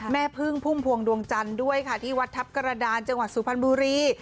แม่พึ่งพุ่มพวงดวงจันทร์ด้วยค่ะที่วัดทัพกระดานจังหวัดสุพรรณบุรี